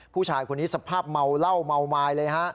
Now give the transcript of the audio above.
ผู้ชายคนนี้สภาพเมาเหล้าเมาไม้เลยฮะ